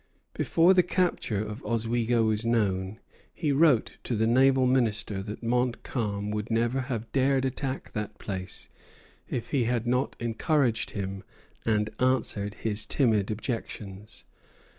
Before the capture of Oswego was known, he wrote to the naval minister that Montcalm would never have dared attack that place if he had not encouraged him and answered his timid objections.